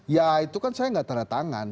ya itu kan saya gak terdatangan